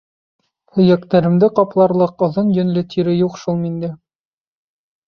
— Һөйәктәремде ҡапларлыҡ оҙон йөнлө тире юҡ шул миндә.